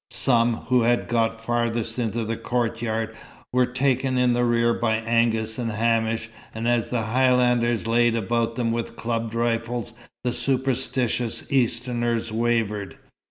Some, who had got farthest into the courtyard, were taken in the rear by Angus and Hamish; and as the Highlanders laid about them with clubbed rifles, the superstitious Easterners wavered.